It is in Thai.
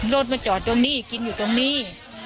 รถมาจอดตรงนี้กินอยู่ตรงนี้